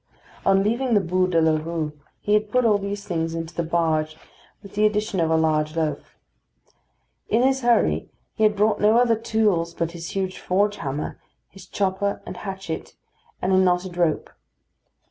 On leaving the Bû de la Rue he had put all these things hastily into the barge, with the addition of a large loaf. In his hurry he had brought no other tools but his huge forge hammer, his chopper and hatchet, and a knotted rope.